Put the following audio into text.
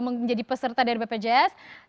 menjadi peserta dari bpjs